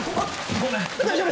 ごめん。